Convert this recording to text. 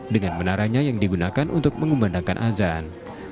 dengan menaranya yang digunakan untuk mengumandangkan azan